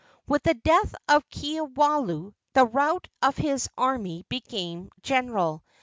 With the death of Kiwalao the rout of his army became general.